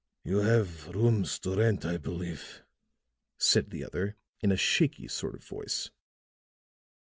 "You have rooms to rent, I believe," said the other in a shaky sort of voice.